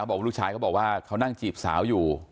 บอกว่าลูกชายเขาบอกว่าเขานั่งจีบสาวอยู่